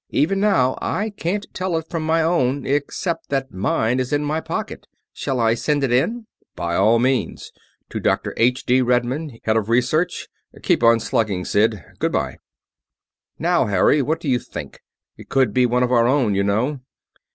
Even now, I can't tell it from my own except that mine is in my pocket. Shall I send it in?" "By all means; to Dr. H.D. Redmond, Head of Research. Keep on slugging, Sid goodbye. Now, Harry, what do you think? It could be one of our own, you know."